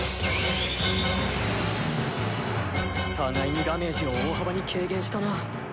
互いにダメージを大幅に軽減したな。